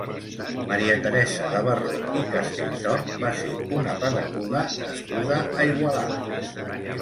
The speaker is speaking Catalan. Maria Teresa Gavarró i Castelltort va ser una pedagoga nascuda a Igualada.